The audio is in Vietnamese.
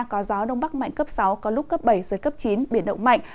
có gió đông bắc mạnh cấp sáu có lúc cấp bảy giật cấp chín biển động mạnh